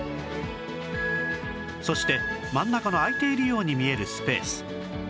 そして真ん中の空いているように見えるスペース